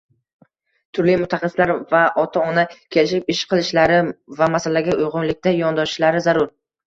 turli mutaxassislar va ota-ona kelishib ish qilishlari va masalaga uyg‘unlikda yondoshishlari zarur.